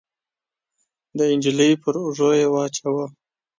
د نجلۍ پر اوږو يې واچاوه.